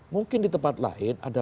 mungkin di tempat lain ada